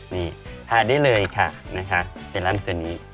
นี่ทาได้เลยค่ะนะคะเซรั่มตัวนี้